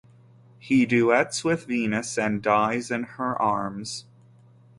He duets with Venus, and dies in her arms.